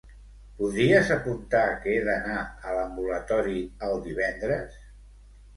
Podries apuntar que he d'anar a l'ambulatori el divendres?